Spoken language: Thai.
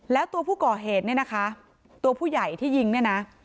แล้วตัวผู้ก่อเหตุเนี่ยนะคะตัวผู้ใหญ่ที่ยิงเนี่ยนะ